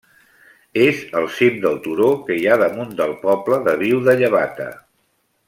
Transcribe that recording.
És al cim del turó que hi ha damunt del poble de Viu de Llevata.